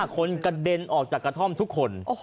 คนกระเด็นออกจากกระท่อมทุกคน